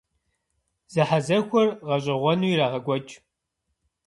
Зэхьэзэхуэр гъэщӀэгъуэну ирагъэкӀуэкӀ.